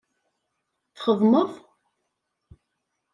Txeddmeḍ?